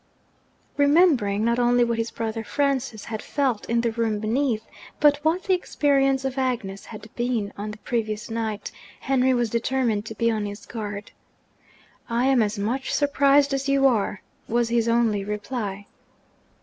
Remembering, not only what his brother Francis had felt in the room beneath, but what the experience of Agnes had been on the previous night, Henry was determined to be on his guard. 'I am as much surprised as you are,' was his only reply.